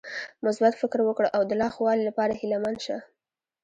مثبت فکر وکړه او د لا ښوالي لپاره هيله مند شه .